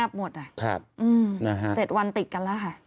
อืมนะฮะ๗วันติดกันแล้วค่ะ